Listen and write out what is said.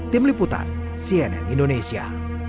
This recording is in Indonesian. tim liputan cnn indonesia